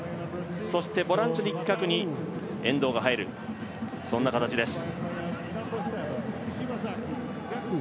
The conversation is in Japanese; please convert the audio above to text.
そしてボランチの一角に遠藤が入るそんな形です。